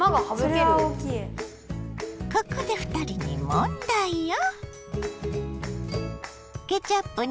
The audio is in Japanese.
ここで２人に問題よ。